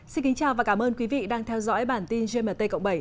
xin kính chào và cảm ơn quý vị đang theo dõi bản tin gmt cộng bảy